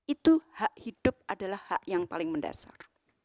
itu hak hidup adalah hak yang paling mendasar